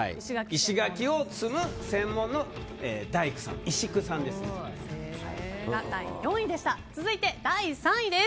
石垣を積む専門の大工さん、石工さんです。